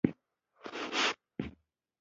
د کابل سیند د افغانستان په هره برخه کې موندل کېږي.